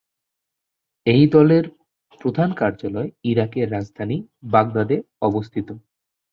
এই দলের প্রধান কার্যালয় ইরাকের রাজধানী বাগদাদে অবস্থিত।